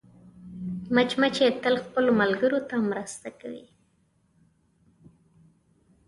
مچمچۍ تل خپلو ملګرو ته مرسته کوي